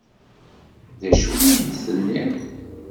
D acu ay d-tenniḍ?